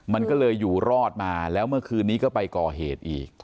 มันก็เลยอยู่รอดมาแล้วเมื่อคืนนี้ก็ไปก่อเหตุอีก